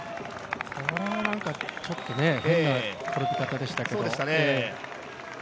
これもちょっと変な転び方でしたけど。